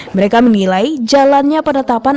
mereka menilai jalannya penetapan